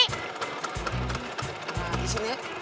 nah di sini ya